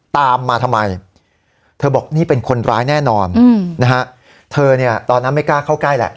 ตามมาทำไมเธอบอกนี่เป็นคนร้ายแน่นอนนะฮะเธอเนี่ยตอนนั้นไม่กล้าเข้าใกล้แหละ